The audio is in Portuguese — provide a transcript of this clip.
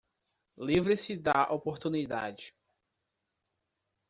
Livre-se da oportunidade